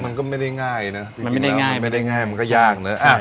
มันก็ไม่ได้ง่ายนะมันก็ยากเนอะ